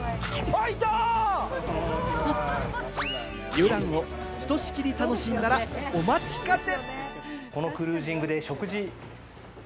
遊覧をひとしきり楽しんだら、お待ちかね！